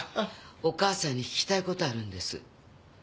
おかあさんに聞きたいことあるんです。